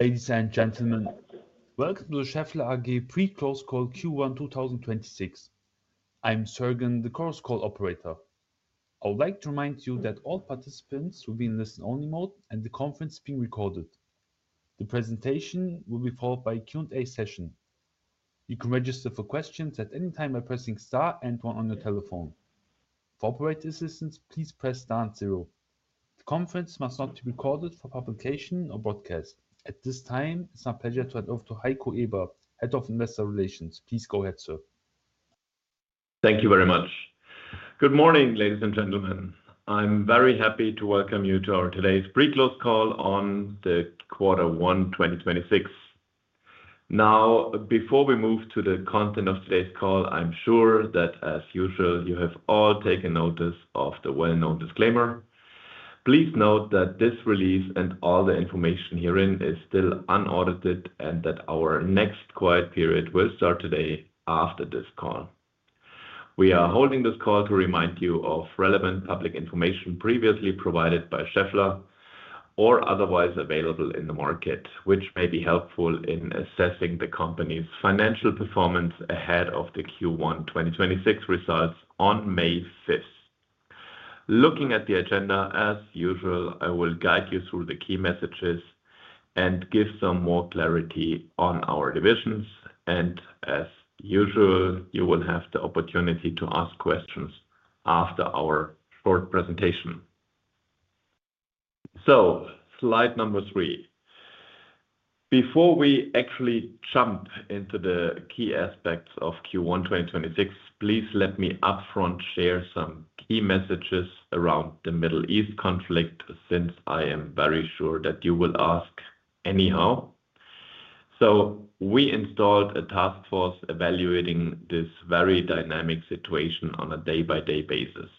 Ladies and gentlemen, welcome to the Schaeffler AG pre-close call Q1 2026. I'm Sergen, the conference call operator. I would like to remind you that all participants will be in listen-only mode and the conference is being recorded. The presentation will be followed by a Q&A session. You can register for questions at any time by pressing star and one on your telephone. For operator assistance, please press star and zero. The conference must not be recorded for publication or broadcast. At this time, it's my pleasure to hand over to Heiko Eber, Head of Investor Relations. Please go ahead, sir. Thank you very much. Good morning, ladies and gentlemen. I'm very happy to welcome you to our today's pre-close call on the quarter one 2026. Now, before we move to the content of today's call, I'm sure that as usual, you have all taken notice of the well-known disclaimer. Please note that this release and all the information herein is still unaudited and that our next quiet period will start today after this call. We are holding this call to remind you of relevant public information previously provided by Schaeffler or otherwise available in the market, which may be helpful in assessing the company's financial performance ahead of the Q1 2026 results on May 5th. Looking at the agenda, as usual, I will guide you through the key messages and give some more clarity on our divisions. As usual, you will have the opportunity to ask questions after our short presentation. Slide number three. Before we actually jump into the key aspects of Q1 2026, please let me upfront share some key messages around the Middle East conflict, since I am very sure that you will ask anyhow. We installed a task force evaluating this very dynamic situation on a day-by-day basis.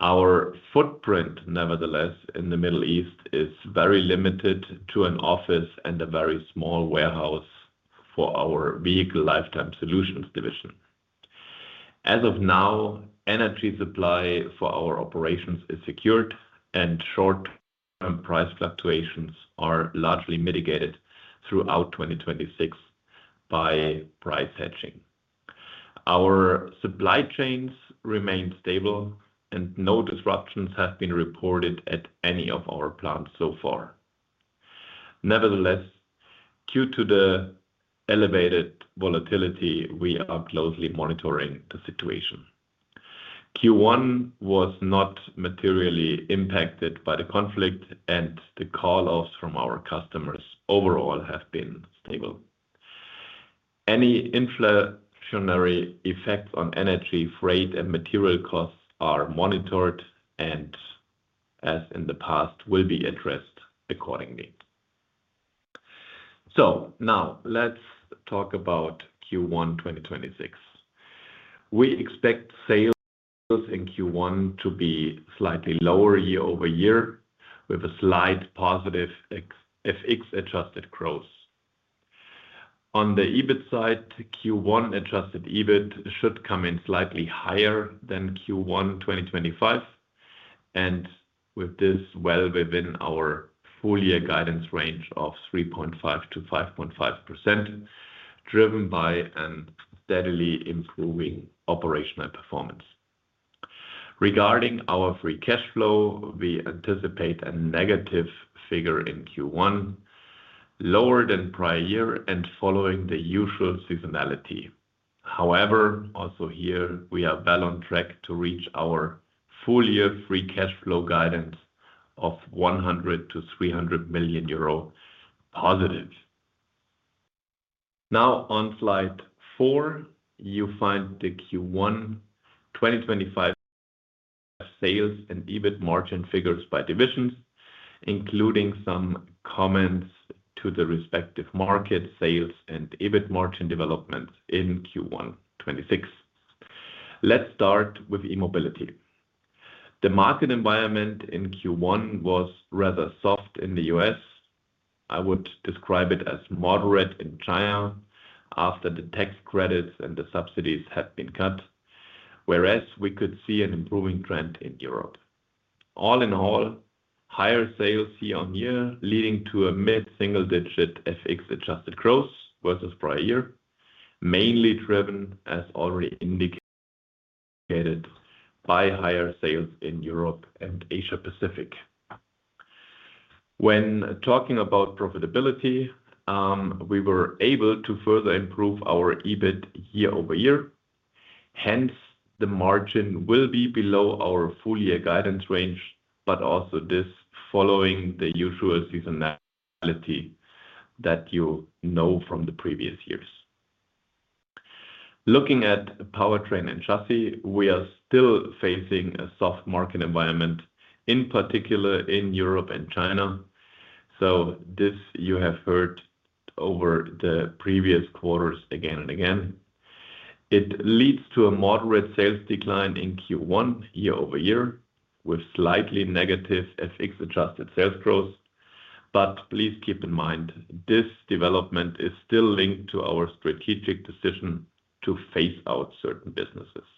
Our footprint, nevertheless, in the Middle East, is very limited to an office and a very small warehouse for our Vehicle Lifetime Solutions division. As of now, energy supply for our operations is secured and short-term price fluctuations are largely mitigated throughout 2026 by price hedging. Our supply chains remain stable and no disruptions have been reported at any of our plants so far. Nevertheless, due to the elevated volatility, we are closely monitoring the situation. Q1 was not materially impacted by the conflict and the call-offs from our customers overall have been stable. Any inflationary effects on energy, freight, and material costs are monitored and, as in the past, will be addressed accordingly. Now let's talk about Q1 2026. We expect sales in Q1 to be slightly lower year-over-year with a slight positive FX-adjusted growth. On the EBIT side, Q1 adjusted EBIT should come in slightly higher than Q1 2025, and with this well within our full-year guidance range of 3.5%-5.5%, driven by a steadily improving operational performance. Regarding our free cash flow, we anticipate a negative figure in Q1, lower than prior year and following the usual seasonality. However, also here we are well on track to reach our full-year free cash flow guidance of 100 million-300 million euro positive. Now on slide four, you find the Q1 2025 sales and EBIT margin figures by divisions, including some comments to the respective market sales and EBIT margin development in Q1 2026. Let's start with E-Mobility. The market environment in Q1 was rather soft in the U.S. I would describe it as moderate in China after the tax credits and the subsidies have been cut, whereas we could see an improving trend in Europe. All in all, higher sales year-on-year, leading to a mid-single-digit FX-adjusted growth versus prior year, mainly driven, as already indicated, by higher sales in Europe and Asia Pacific. When talking about profitability, we were able to further improve our EBIT year-over-year. Hence, the margin will be below our full-year guidance range, but also this following the usual seasonality that you know from the previous years. Looking at Powertrain & Chassis, we are still facing a soft market environment, in particular in Europe and China. This you have heard over the previous quarters again and again. It leads to a moderate sales decline in Q1 year-over-year with slightly negative FX-adjusted sales growth. Please keep in mind, this development is still linked to our strategic decision to phase out certain businesses.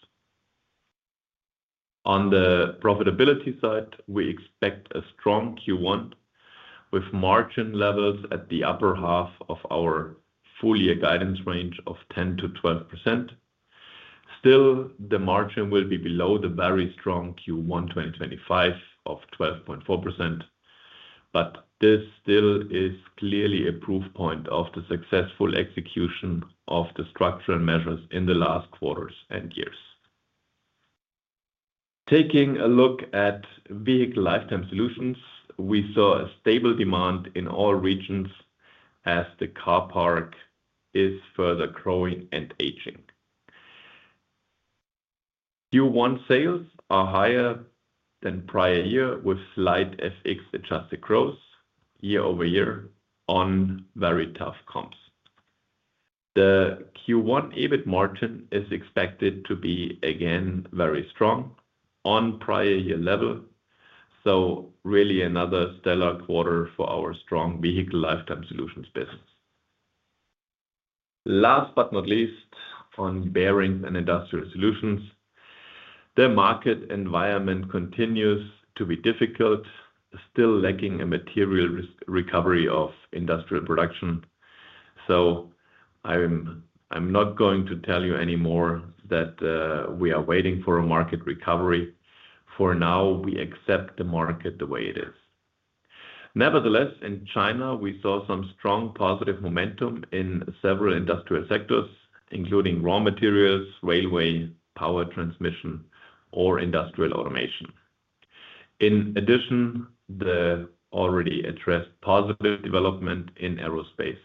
On the profitability side, we expect a strong Q1 with margin levels at the upper half of our full-year guidance range of 10%-12%. Still, the margin will be below the very strong Q1 2025 of 12.4%, but this still is clearly a proof point of the successful execution of the structural measures in the last quarters and years. Taking a look at Vehicle Lifetime Solutions, we saw a stable demand in all regions as the car park is further growing and aging. Q1 sales are higher than prior year with slight FX-adjusted growth year-over-year on very tough comps. The Q1 EBIT margin is expected to be again very strong on prior year level, so really another stellar quarter for our strong Vehicle Lifetime Solutions business. Last but not least, on Bearings & Industrial Solutions, the market environment continues to be difficult, still lacking a material recovery of industrial production. I'm not going to tell you anymore that we are waiting for a market recovery. For now, we accept the market the way it is. Nevertheless, in China we saw some strong positive momentum in several industrial sectors, including raw materials, railway, power transmission or industrial automation. In addition, the already addressed positive development in aerospace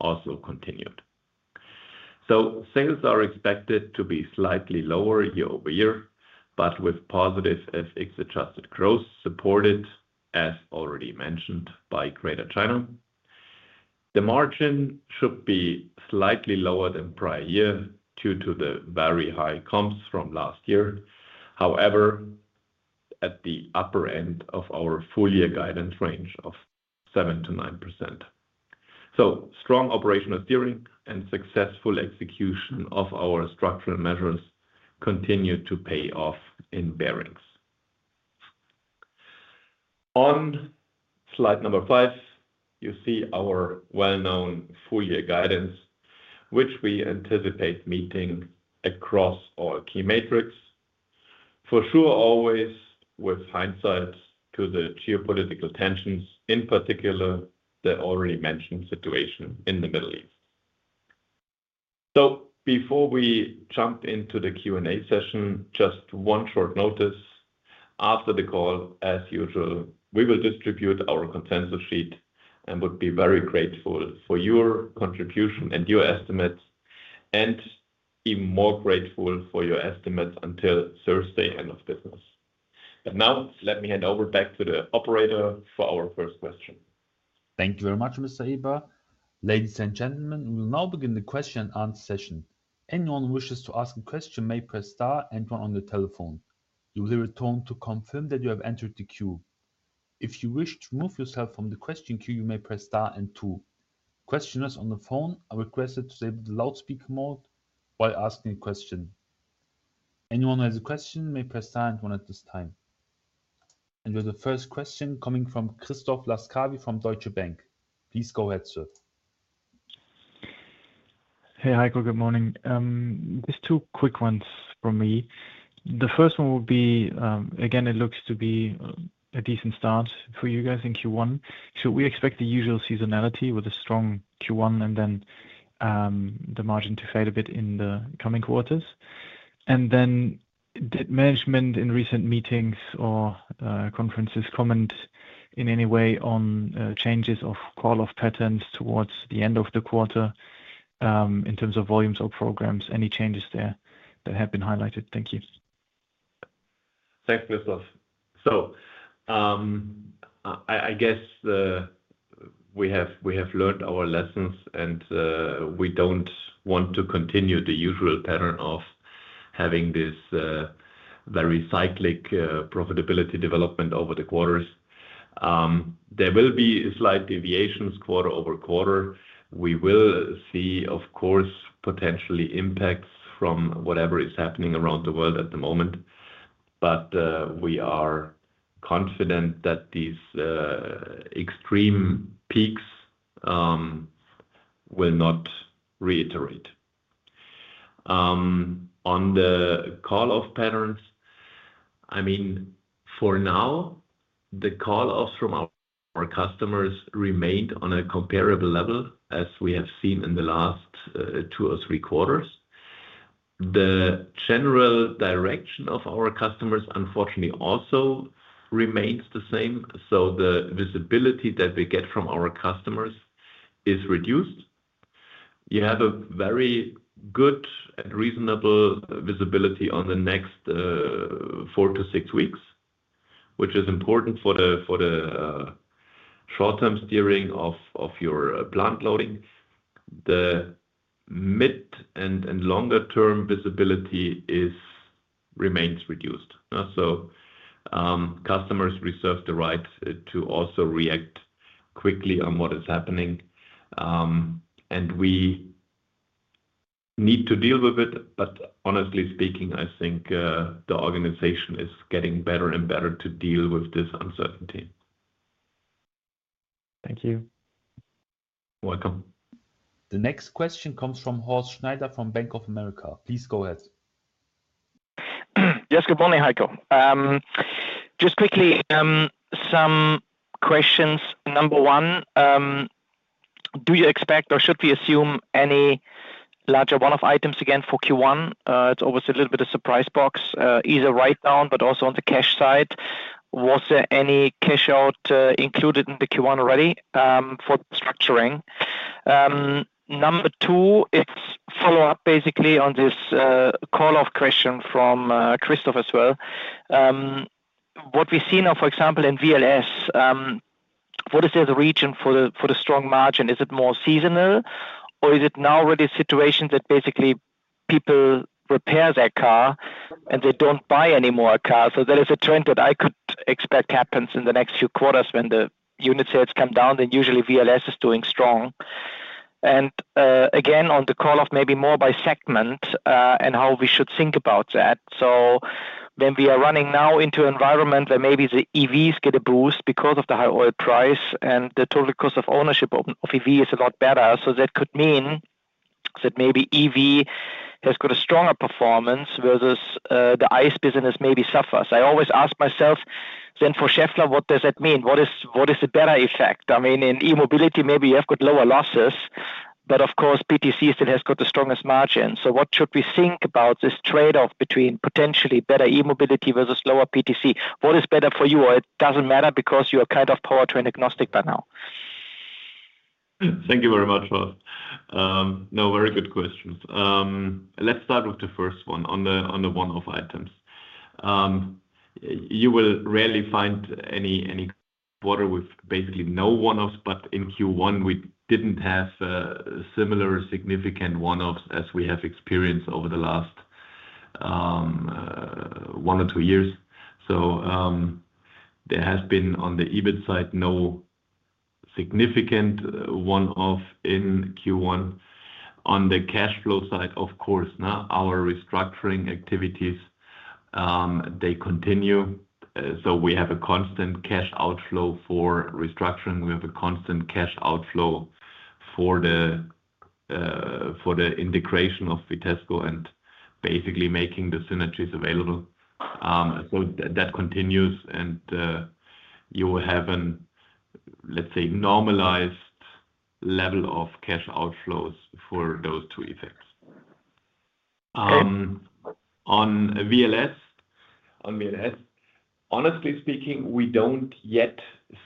also continued. Sales are expected to be slightly lower year-over-year, but with positive FX-adjusted growth supported, as already mentioned, by Greater China. The margin should be slightly lower than prior year due to the very high comps from last year, however, at the upper end of our full-year guidance range of 7%-9%. Strong operational steering and successful execution of our structural measures continue to pay off in bearings. On slide number five, you see our well-known full-year guidance, which we anticipate meeting across all key metrics, for sure always with hindsight to the geopolitical tensions, in particular, the already mentioned situation in the Middle East. Before we jump into the Q&A session, just one short notice. After the call, as usual, we will distribute our consensus sheet and would be very grateful for your contribution and your estimates, and even more grateful for your estimates until Thursday end of business. Now, let me hand over back to the operator for our first question. Thank you very much, Mr. Eber. Ladies and gentlemen, we will now begin the question and answer session. Anyone who wishes to ask a question may press star and one on their telephone. You will hear a tone to confirm that you have entered the queue. If you wish to remove yourself from the question queue, you may press star and two. Questioners on the phone are requested to stay in the loudspeaker mode while asking a question. Anyone who has a question may press star and one at this time. With the first question coming from Christoph Laskawi from Deutsche Bank, please go ahead, sir. Hey, Heiko. Good morning. Just two quick ones from me. The first one will be, again, it looks to be a decent start for you guys in Q1. Should we expect the usual seasonality with a strong Q1 and then the margin to fade a bit in the coming quarters? Did management in recent meetings or conferences comment in any way on changes of call-off patterns towards the end of the quarter, in terms of volumes or programs? Any changes there that have been highlighted? Thank you. Thanks, Christoph. I guess we have learned our lessons, and we don't want to continue the usual pattern of having this very cyclic profitability development over the quarters. There will be slight deviations quarter-over-quarter. We will see, of course, potential impacts from whatever is happening around the world at the moment. We are confident that these extreme peaks will not reiterate. On the call-off patterns, for now, the call-offs from our customers remained on a comparable level as we have seen in the last two or three quarters. The general direction of our customers, unfortunately, also remains the same. The visibility that we get from our customers is reduced. You have a very good and reasonable visibility on the next four-six weeks, which is important for the short-term steering of your plant loading. The mid and longer-term visibility remains reduced. Customers reserve the right to also react quickly on what is happening. We need to deal with it. Honestly speaking, I think the organization is getting better and better to deal with this uncertainty. Thank you. Welcome. The next question comes from Horst Schneider from Bank of America. Please go ahead. Yes. Good morning, Heiko. Just quickly, some questions. Number one, do you expect or should we assume any larger one-off items again for Q1? It's always a little bit of surprise box, either write-down, but also on the cash side. Was there any cash-out included in the Q1 already for restructuring? Number two, it's follow-up basically on this call-off question from Christoph as well. What we see now, for example, in VLS, what is the reason for the strong margin? Is it more seasonal or is it now really a situation that basically people repair their car and they don't buy any more cars? There is a trend that I could expect happens in the next few quarters when the unit sales come down, then usually VLS is doing strong. Again, on the call-off maybe more by segment, and how we should think about that. When we are running now into environment where maybe the EVs get a boost because of the high oil price, and the total cost of ownership of EV is a lot better, so that could mean that maybe EV has got a stronger performance whereas the ICE business maybe suffers. I always ask myself then for Schaeffler, what does that mean? What is the better effect? In E-Mobility, maybe you have got lower losses, but of course PTC still has got the strongest margin. What should we think about this trade-off between potentially better E-Mobility versus lower PTC? What is better for you? It doesn't matter because you are powertrain agnostic by now? Thank you very much, Horst. No, very good questions. Let's start with the first one on the one-off items. You will rarely find any quarter with basically no one-offs, but in Q1 we didn't have similar significant one-offs as we have experienced over the last one or two years. There has been, on the EBIT side, no significant one-off in Q1. On the cash flow side, of course, our restructuring activities, they continue. We have a constant cash outflow for restructuring. We have a constant cash outflow for the integration of Vitesco and basically making the synergies available. That continues, and you will have an, let's say, normalized level of cash outflows for those two effects. On VLS, honestly speaking, we don't yet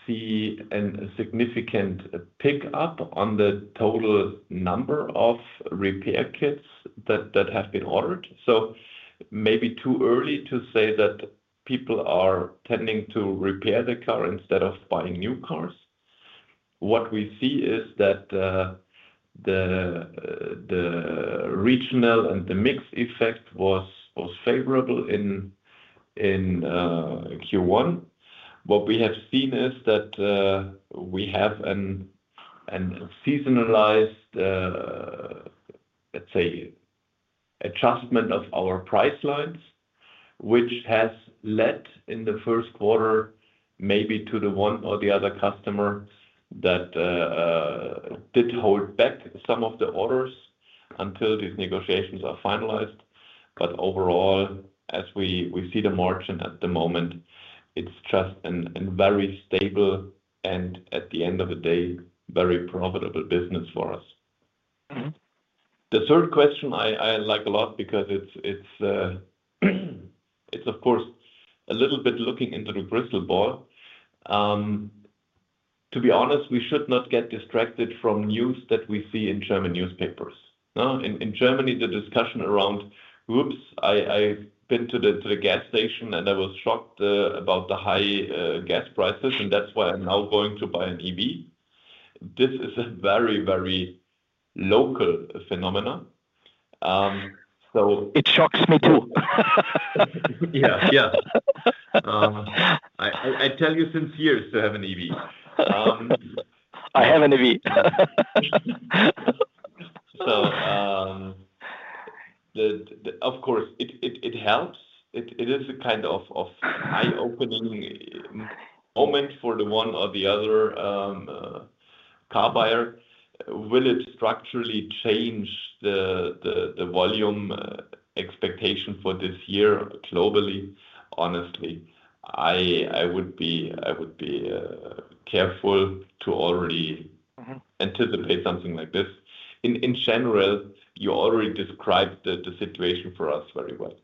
see a significant pick-up on the total number of repair kits that have been ordered. Maybe too early to say that people are tending to repair the car instead of buying new cars. What we see is that the regional and the mix effect was favorable in Q1. What we have seen is that we have an seasonalized, let's say, adjustment of our price lines, which has led in the first quarter, maybe to the one or the other customer that did hold back some of the orders until these negotiations are finalized. Overall, as we see the margin at the moment, it's just a very stable and, at the end of the day, very profitable business for us. Mm-hmm. The third question I like a lot because it's, of course, a little bit looking into the crystal ball. To be honest, we should not get distracted from news that we see in German newspapers. In Germany, the discussion around, "Oops, I've been to the gas station, and I was shocked about the high gas prices, and that's why I'm now going to buy an EV." This is a very local phenomenon. It shocks me, too. Yeah. I tell you since years to have an EV. I have an EV. Of course, it helps. It is a kind of eye-opening moment for the one or the other car buyer. Will it structurally change the volume expectation for this year globally? Honestly, I would be careful to already anticipate something like this. In general, you already described the situation for us very well,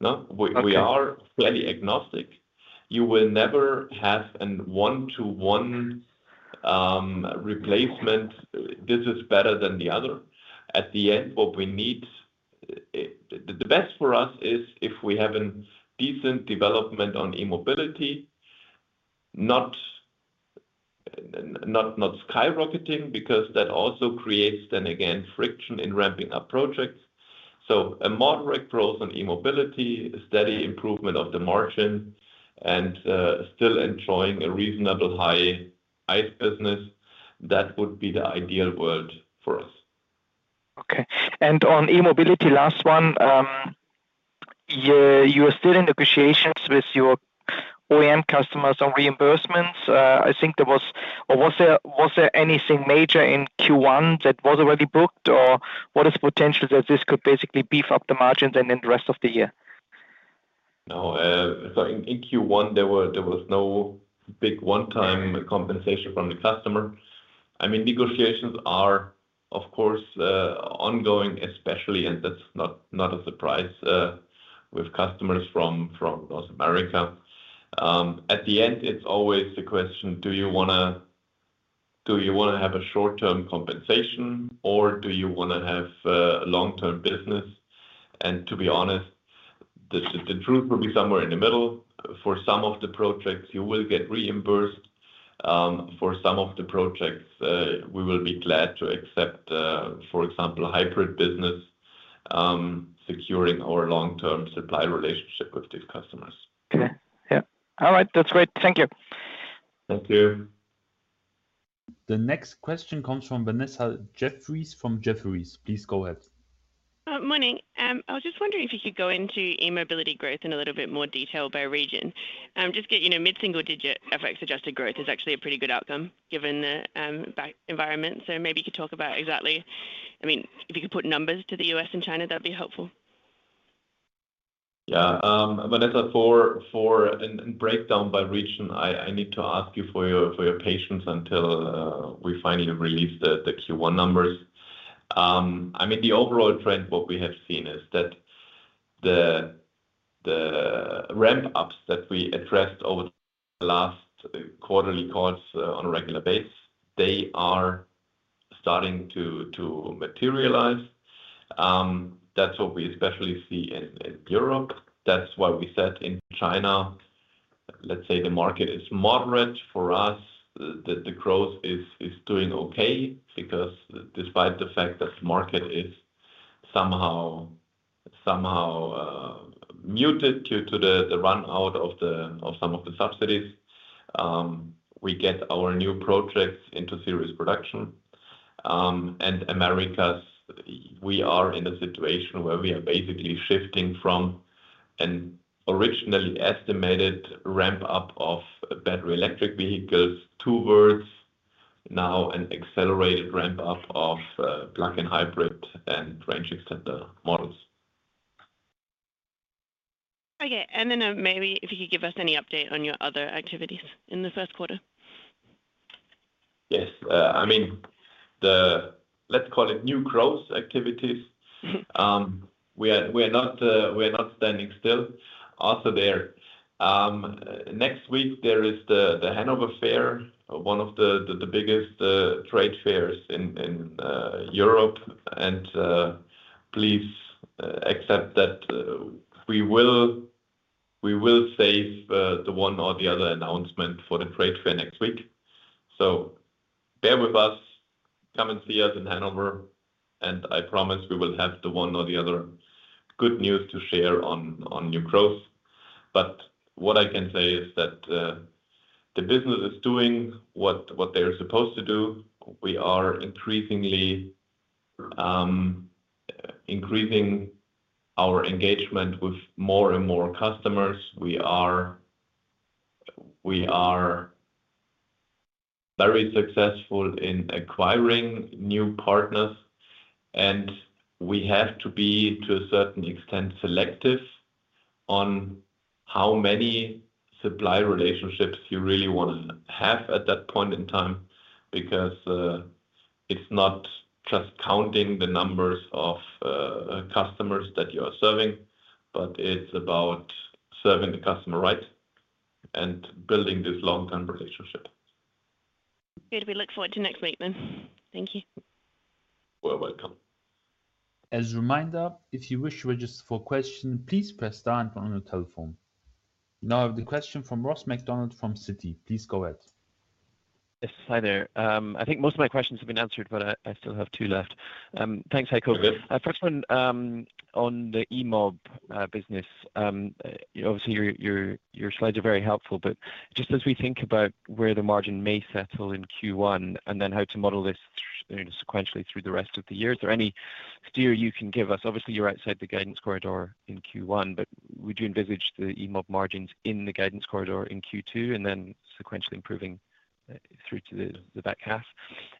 no? Okay. We are fairly agnostic. You will never have a one-to-one replacement, this is better than the other. At the end, the best for us is if we have a decent development on E-mobility, not skyrocketing, because that also creates, then again, friction in ramping up projects. A moderate growth on E-mobility, a steady improvement of the margin, and still enjoying a reasonable high ICE business, that would be the ideal world for us. Okay. On E-Mobility, last one. You are still in negotiations with your OEM customers on reimbursements. Was there anything major in Q1 that was already booked, or what is the potential that this could basically beef up the margins and in the rest of the year? No. In Q1, there was no big one-time compensation from the customer. Negotiations are, of course, ongoing, especially, and that's not a surprise, with customers from North America. At the end, it's always the question, do you want to have a short-term compensation or do you want to have a long-term business? To be honest, the truth will be somewhere in the middle. For some of the projects, you will get reimbursed. For some of the projects, we will be glad to accept, for example, hybrid business, securing our long-term supply relationship with these customers. Okay. Yeah. All right. That's great. Thank you. Thank you. The next question comes from Vanessa Jeffriess from Jefferies. Please go ahead. Morning. I was just wondering if you could go into E-Mobility growth in a little bit more detail by region. Just mid-single-digit FX-adjusted growth is actually a pretty good outcome given the environment. So maybe you could talk about exactly, I mean, if you could put numbers to the U.S. and China, that'd be helpful. Yeah. Vanessa, for breakdown by region, I need to ask you for your patience until we finally release the Q1 numbers. The overall trend, what we have seen is that the ramp-ups that we addressed over the last quarterly calls on a regular basis, they are starting to materialize. That's what we especially see in Europe. That's why we said in China, let's say, the market is moderate for us. The growth is doing okay because despite the fact that the market is somehow muted due to the run out of some of the subsidies, we get our new projects into serious production. Americas, we are in a situation where we are basically shifting from an originally estimated ramp-up of battery electric vehicles towards now an accelerated ramp-up of plug-in hybrid and range extender models. Okay. Maybe if you could give us any update on your other activities in the first quarter? Yes. Let's call it new growth activities. We are not standing still also there. Next week, there is the Hannover Fair, one of the biggest trade fairs in Europe. Please accept that we will save the one or the other announcement for the trade fair next week. Bear with us. Come and see us in Hanover, and I promise we will have the one or the other good news to share on new growth. What I can say is that the business is doing what they're supposed to do. We are increasingly increasing our engagement with more and more customers. We are very successful in acquiring new partners, and we have to be, to a certain extent, selective on how many supply relationships you really want to have at that point in time, because it's not just counting the numbers of customers that you are serving, but it's about serving the customer right and building this long-term relationship. Good. We look forward to next week then. Thank you. You are welcome. As a reminder, if you wish to register for a question, please press star and one your telephone. Now I have the question from Ross MacDonald from Citi. Please go ahead. Yes. Hi there. I think most of my questions have been answered, but I still have two left. Thanks, Heiko. Okay. First one on the E-Mob business. Obviously, your slides are very helpful. Just as we think about where the margin may settle in Q1 and then how to model this sequentially through the rest of the year, is there any steer you can give us? Obviously, you're outside the guidance corridor in Q1. Would you envisage the E-Mob margins in the guidance corridor in Q2 and then sequentially improving through to the back half?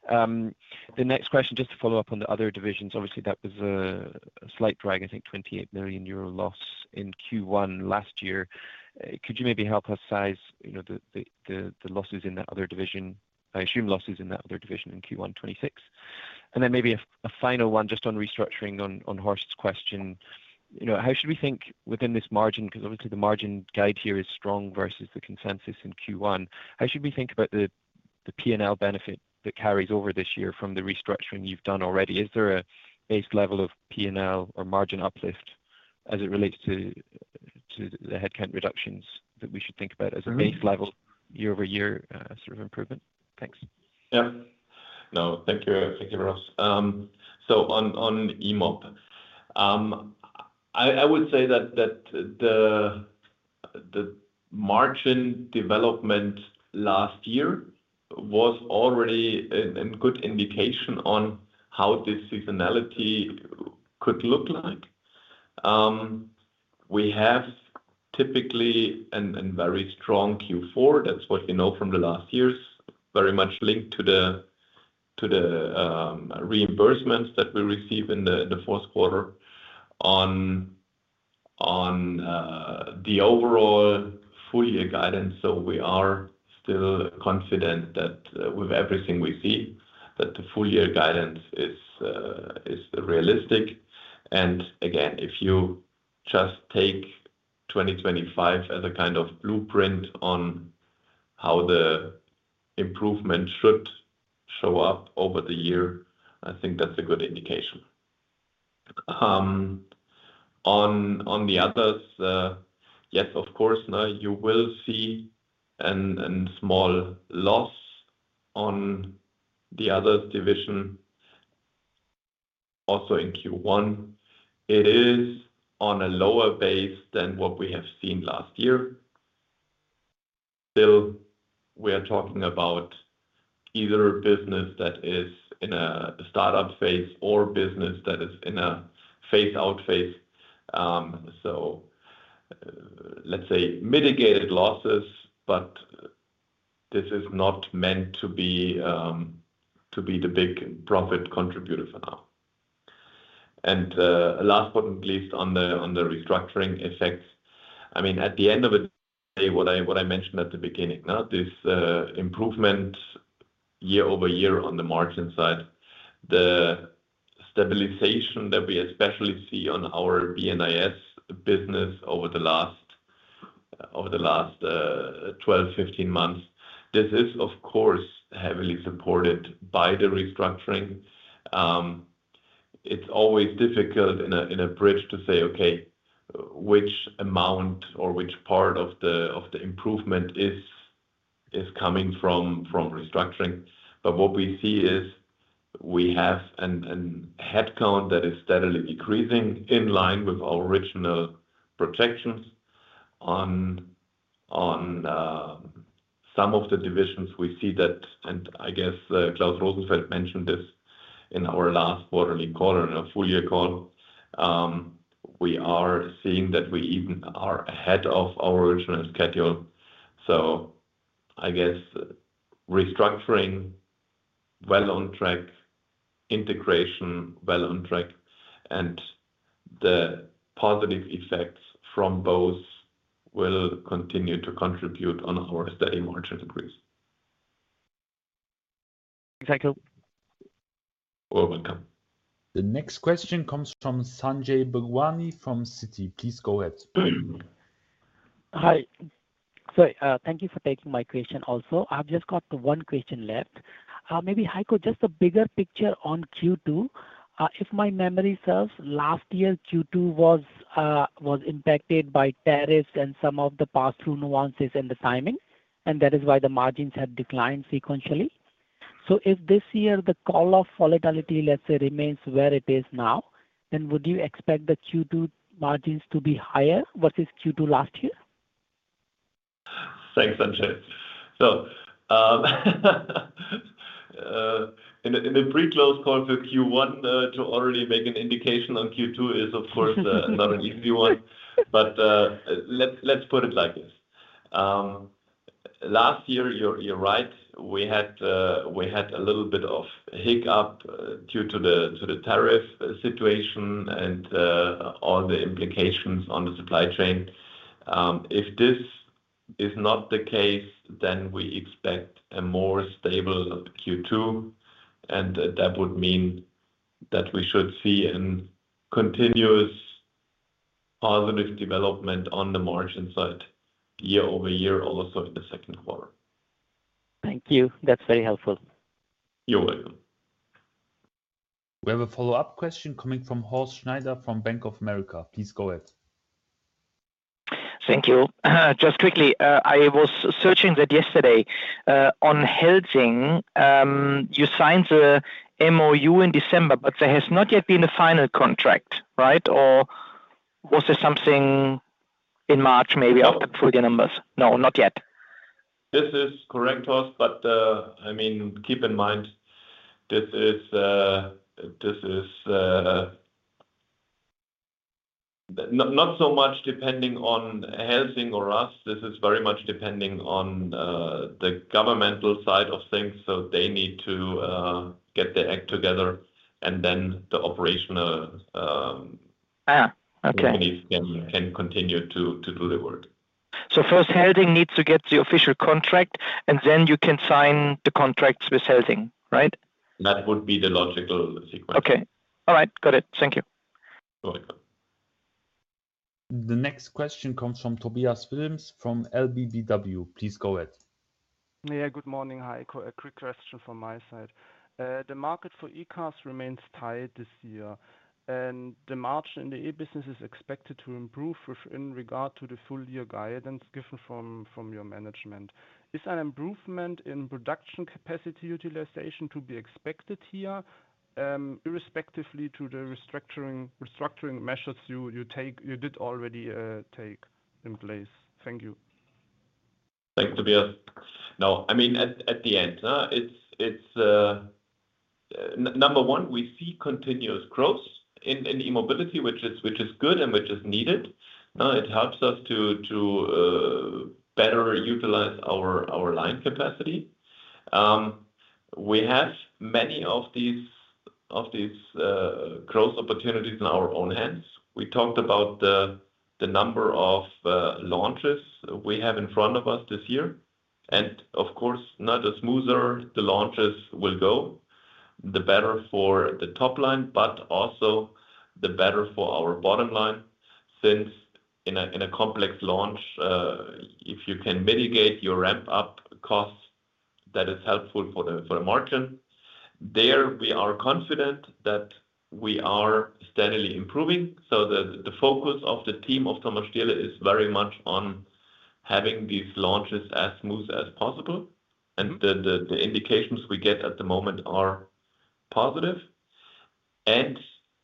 The next question, just to follow up on the other divisions, obviously, that was a slight drag, I think, 28 million euro loss in Q1 last year. Could you maybe help us size the losses in that other division? I assume losses in that other division in Q1 2026. Maybe a final one just on restructuring on Horst's question. How should we think within this margin? Because obviously the margin guide here is strong versus the consensus in Q1, how should we think about the P&L benefit that carries over this year from the restructuring you've done already? Is there a base level of P&L or margin uplift as it relates to the headcount reductions that we should think about as a base level year-over-year sort of improvement? Thanks. Yeah. No, thank you, Ross. On E-Mob, I would say that the margin development last year was already a good indication on how this seasonality could look like. We have typically a very strong Q4, that's what we know from the last years, very much linked to the reimbursements that we receive in the fourth quarter. On the overall full-year guidance, so we are still confident that with everything we see, that the full-year guidance is realistic. Again, if you just take 2025 as a kind of blueprint on how the improvement should show up over the year, I think that's a good indication. On the Others, yes, of course, now you will see a small loss on the Others division also in Q1. It is on a lower base than what we have seen last year. Still, we are talking about either business that is in a startup phase or business that is in a phase-out phase. Let's say mitigated losses, but this is not meant to be the big profit contributor for now. Last but not least, on the restructuring effects, at the end of the day, what I mentioned at the beginning, now this improvement year-over-year on the margin side, the stabilization that we especially see on our B&IS business over the last 12-15 months, this is, of course, heavily supported by the restructuring. It's always difficult in a bridge to say, okay, which amount or which part of the improvement is coming from restructuring. What we see is we have a headcount that is steadily decreasing in line with our original projections. On some of the divisions, we see that, and I guess Klaus Rosenfeld mentioned this in our last quarterly call and our full year call, we are seeing that we even are ahead of our original schedule. I guess restructuring well on track, integration well on track, and the positive effects from both will continue to contribute on our steady margin increase. Thank you. You're welcome. The next question comes from Sanjay Bhagwani from Citi. Please go ahead. Hi. Sorry. Thank you for taking my question also. I've just got one question left. Maybe, Heiko, just a bigger picture on Q2. If my memory serves, last year Q2 was impacted by tariffs and some of the pass-through nuances and the timing, and that is why the margins had declined sequentially. If this year the level of volatility, let's say, remains where it is now, then would you expect the Q2 margins to be higher versus Q2 last year? Thanks, Sanjay. In the pre-close call for Q1 to already make an indication on Q2 is, of course, not an easy one. Let's put it like this. Last year, you're right. We had a little bit of hiccup due to the tariff situation and all the implications on the supply chain. If this is not the case, then we expect a more stable Q2, and that would mean that we should see a continuous positive development on the margin side year-over-year also in the second quarter. Thank you. That's very helpful. You're welcome. We have a follow-up question coming from Horst Schneider from Bank of America. Please go ahead. Thank you. Just quickly, I was searching that yesterday. On Helsing, you signed the MOU in December, but there has not yet been a final contract, right? Was there something in March maybe after the full year numbers? No, not yet. This is correct, Horst. Keep in mind, this is not so much depending on Helsing or us, this is very much depending on the governmental side of things. They need to get their act together and then the operational... Okay. ...companies can continue to do the work. First Helsing needs to get the official contract, and then you can sign the contracts with Helsing, right? That would be the logical sequence. Okay. All right. Got it. Thank you. You're welcome. The next question comes from Tobias Willems from LBBW. Please go ahead. Yeah. Good morning, Heiko. A quick question from my side. The market for E-cars remains tight this year, and the margin in the E-business is expected to improve in regard to the full-year guidance given from your Management. Is an improvement in production capacity utilization to be expected here, irrespectively to the restructuring measures you did already take in place? Thank you. Thanks, Tobias. No, I mean, at the end, number one, we see continuous growth in E-Mobility, which is good and which is needed. It helps us to better utilize our line capacity. We have many of these growth opportunities in our own hands. We talked about the number of launches we have in front of us this year. Of course, the smoother the launches will go, the better for the top line, but also the better for our bottom line. Since in a complex launch, if you can mitigate your ramp-up costs, that is helpful for the margin. There, we are confident that we are steadily improving. The focus of the team of Thomas Stierle is very much on having these launches as smooth as possible. The indications we get at the moment are positive.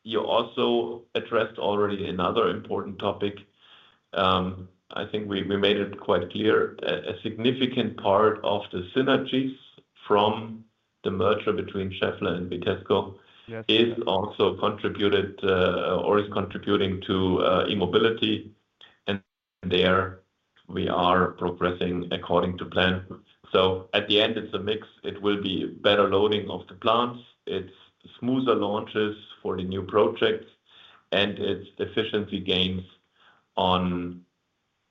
You also addressed already another important topic. I think we made it quite clear. A significant part of the synergies from the merger between Schaeffler and Vitesco is also contributed, or is contributing to E-Mobility, and there we are progressing according to plan. At the end, it's a mix. It will be better loading of the plants. It's smoother launches for the new projects, and it's efficiency gains on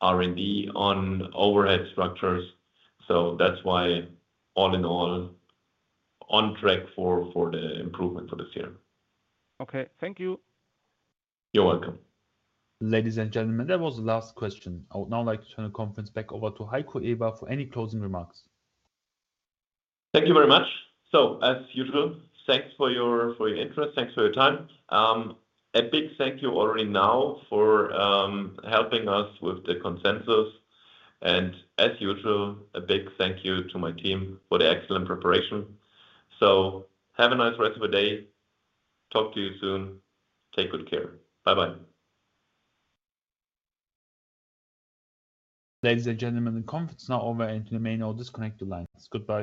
R&D, on overhead structures. That's why all in all, on track for the improvement for this year. Okay. Thank you. You're welcome. Ladies and gentlemen, that was the last question. I would now like to turn the conference back over to Heiko Eber for any closing remarks. Thank you very much. As usual, thanks for your interest, thanks for your time. A big thank you already now for helping us with the consensus, and as usual, a big thank you to my team for the excellent preparation. Have a nice rest of your day. Talk to you soon. Take good care. Bye-bye. Ladies and gentlemen, the conference is now over and you may now disconnect your lines. Goodbye.